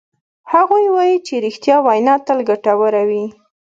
هغوی وایي چې ریښتیا وینا تل ګټوره وی